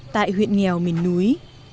tại huyện nghèo mình núi